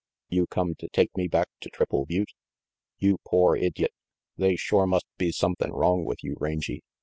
You come to take me back to Triple Butte?" "You pore idyot. They shore must be sumthin' wrong with you, Rangy.